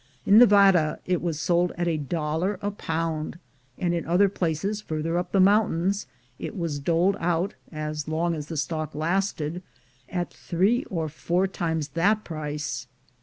In Nevada it was sold at a dollar a pound, and in other places farther up in the mountains it was doled out, as long as the stock lasted, at three or four times that price.